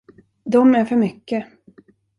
De är för mycket.